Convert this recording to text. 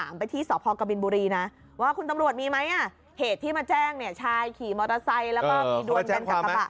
มอเตอร์ไซค์แล้วก็มีดวงกับกระปะ